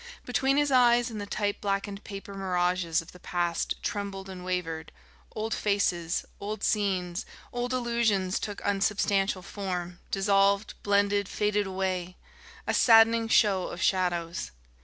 Between his eyes and the type blackened paper mirages of the past trembled and wavered; old faces, old scenes, old illusions took unsubstantial form, dissolved, blended, faded away: a saddening show of shadows.